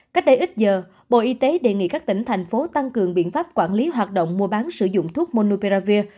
cách đây ít giờ bộ y tế đề nghị các tỉnh thành phố tăng cường biện pháp quản lý hoạt động mua bán sử dụng thuốc monouperavir